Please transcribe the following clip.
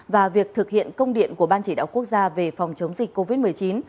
và việc thực hiện công điện của ban chỉ đạo quốc gia về phòng chống dịch covid một mươi chín